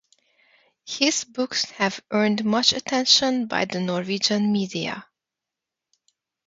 His books have earned much attention by the Norwegian media.